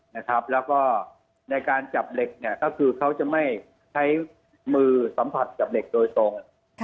และในการจับเหล็กเขาจะไม่ใช้มือสัมผัสจับเหล็กโดยตรง